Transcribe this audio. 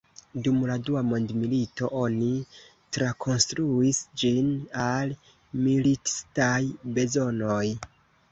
Dum la dua mondmilito, oni trakonstruis ĝin al militistaj bezonoj.